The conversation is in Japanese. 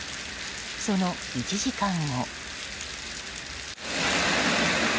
その１時間後。